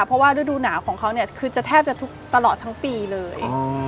เพราะว่าฤดูหนาวของเขาเนี่ยคือจะแทบจะทุกตลอดทั้งปีเลย